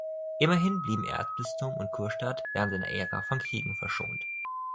Immerhin blieben Erzbistum und Kurstaat während seiner Ära von Kriegen verschont.